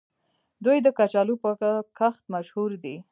دوی د کچالو په کښت مشهور دي.